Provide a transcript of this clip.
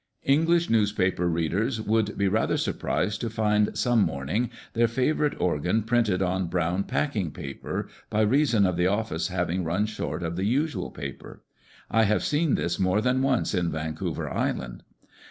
English newspaper readers would be rather surprised to find some morning their favourite organ printed on brown packing paper, by reason of the office having run short of the usual paper. I have seen this more than once in Vancouver Island.